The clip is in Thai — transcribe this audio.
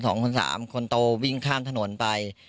คนสามคนโตวิ่งข้ามถนนไป